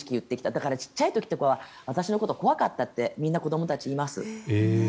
だから、小さい時とかは私のこと、怖かったってみんな子どもたち、言います。